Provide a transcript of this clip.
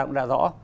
cũng đã rõ